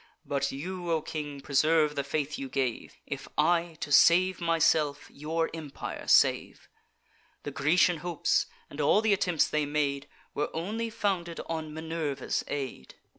But you, O king, preserve the faith you gave, If I, to save myself, your empire save. The Grecian hopes, and all th' attempts they made, Were only founded on Minerva's aid.